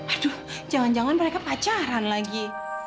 aduh jangan jangan mereka pacaran lagi